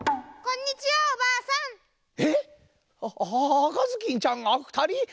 赤ずきんちゃんがふたり？